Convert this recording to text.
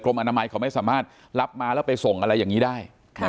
อนามัยเขาไม่สามารถรับมาแล้วไปส่งอะไรอย่างนี้ได้